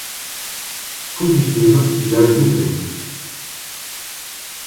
Fujifilm y a une usine.